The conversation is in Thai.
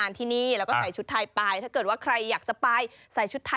ไม่ได้จะไปประกวดกับเขานะ